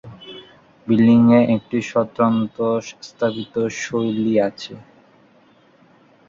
বিল্ডিংয়ের একটি স্বতন্ত্র স্থাপত্য শৈলী আছে।